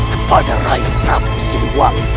kepada rakyat rakyat siluwang